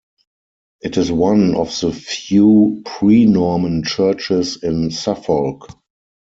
It is one of the few pre-Norman churches in Suffolk.